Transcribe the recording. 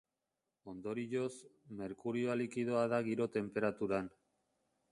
Ondorioz, merkurioa likidoa da giro-tenperaturan.